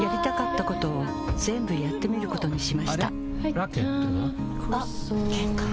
ラケットは？